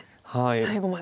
最後まで。